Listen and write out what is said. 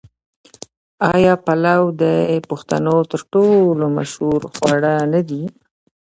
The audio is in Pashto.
آیا پلو د پښتنو تر ټولو مشهور خواړه نه دي؟